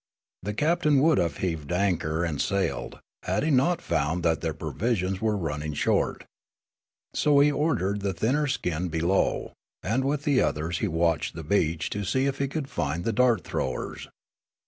The captain would have heaved anchor and 312 Meskeeta 313 sailed, had he not found that their provisions were run ning short. So he ordered the thinner skinned below, and with the others he watched the beach to see if he could find the dart throwers.